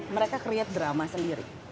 mereka create drama sendiri